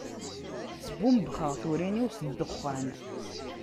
Sbumbxeɣ turin-iw s ddexxan.